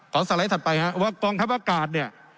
สไลด์ถัดไปครับว่ากองทัพอากาศเนี่ย